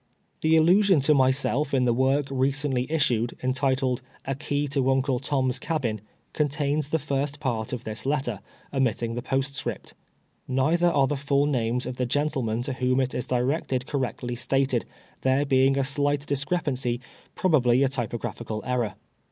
The allusion to myself in tlic work recently issued, entitled " A Key to Uncle Tom's Cabin," contains the first part of this letter, omitting the postscript. Nei ther are the full names of the gentlemen to whom it is directed correctly stated, there lacing a slight dis crepancy, i)ri>l)al)ly a typograpliical err^r.